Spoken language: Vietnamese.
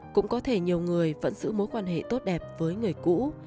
cũng có thể nhiều người vẫn giữ mối quan hệ tốt đẹp với người cũ